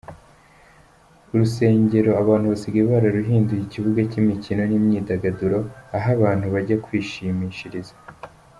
Urusengero abantu basigaye bararuhinduye ikibuga cy’imikono n’imyidagaduro, aho abantu bajya kwishimishiriza .